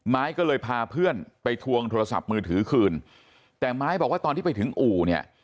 ไม้ก็เลยพาเพื่อนไปทวงโทรศัพท์มือถือคืนแต่ไม้บอกว่าตอนที่ไปถึงอู่เนี่ย